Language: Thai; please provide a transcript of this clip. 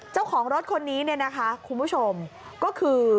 เจ้าของรถคนนี้เนี่ยนะคะคุณผู้ชมก็คือ